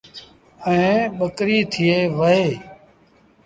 ائيٚݩ ٻڪريٚ ٿئي وهي۔